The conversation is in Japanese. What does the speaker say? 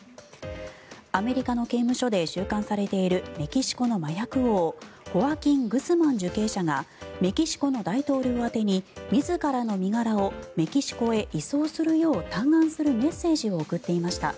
アメリカの刑務所で収監されているメキシコの麻薬王ホアキン・グスマン受刑者がメキシコの大統領宛てに自らの身柄をメキシコへ移送するよう嘆願するメッセージを送っていました。